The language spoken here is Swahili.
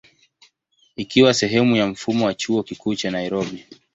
Ikawa sehemu ya mfumo wa Chuo Kikuu cha Nairobi.